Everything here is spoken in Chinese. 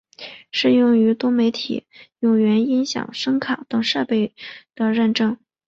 适用于多媒体有源音箱和声卡等设备的认证。